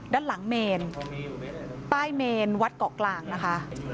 ด้านหลังเมนใต้เมนวัดเกาะกลางนะคะ